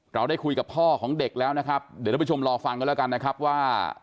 เราได้คุยกับพ่อของเด็กแล้วนะครับเดี๋ยวท่านผู้ชมรอฟังกันแล้วกันนะครับว่า